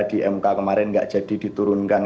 di mk kemarin nggak jadi diturunkan